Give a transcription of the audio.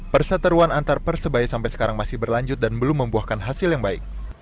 perseteruan antar persebaya sampai sekarang masih berlanjut dan belum membuahkan hasil yang baik